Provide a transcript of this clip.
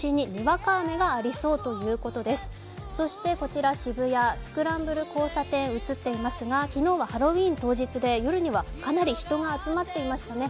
そしてこちら渋谷スクランブル交差点、映っていますが昨日はハロウィーン当日で、夜にはかなり人が集まっていましたね。